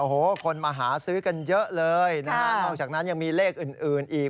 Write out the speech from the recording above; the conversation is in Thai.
โอ้โหคนมาหาซื้อกันเยอะเลยนะฮะนอกจากนั้นยังมีเลขอื่นอื่นอีก